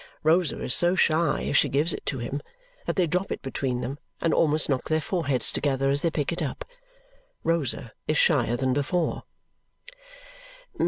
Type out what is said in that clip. Rosa is so shy as she gives it to him that they drop it between them and almost knock their foreheads together as they pick it up. Rosa is shyer than before.